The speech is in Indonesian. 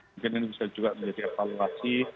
mungkin ini bisa juga menjadi evaluasi